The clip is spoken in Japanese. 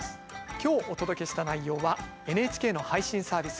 今日お届けした内容はＮＨＫの配信サービス